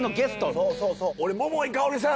そうそうそう俺桃井かおりさん